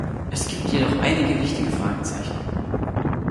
Es gibt jedoch einige wichtige Fragezeichen.